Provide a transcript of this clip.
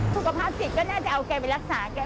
สุขภาพจิตก็น่าจะเอาแกไปรักษาแก